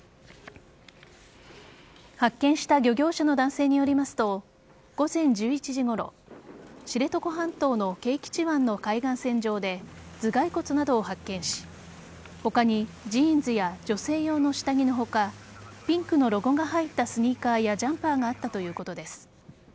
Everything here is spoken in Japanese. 発見した漁業者の男性によりますと午前１１時ごろ知床半島の啓吉湾の海岸線上で頭蓋骨などを発見し他にジーンズや女性用の下着の他ピンクのロゴが入ったスニーカーやジャンパーがあったということです。